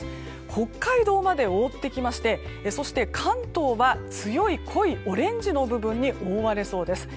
北海道まで覆ってきましてそして関東は強い濃いオレンジの部分に覆われそうです。